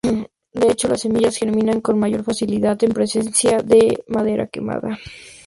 De hecho, las semillas germinan con mayor facilidad en presencia de la madera quemada.